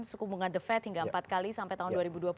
suku bunga the fed hingga empat kali sampai tahun dua ribu dua puluh